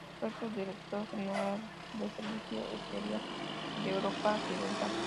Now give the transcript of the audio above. Fue subdirector general de Servicio Exterior y de Europa Occidental.